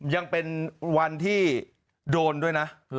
ยังเป็นวันที่โดนด้วยนะ